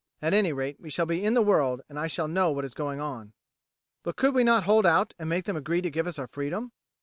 At any rate we shall be in the world and shall know what is going on." "But could we not hold out and make them agree to give us our freedom?"